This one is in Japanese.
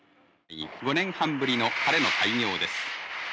５年半ぶりの開業です。